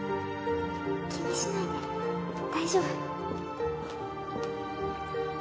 気にしないで大丈夫。